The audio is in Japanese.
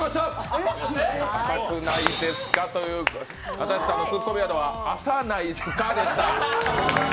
又吉さんのツッコミワードは「浅ないですか」でした。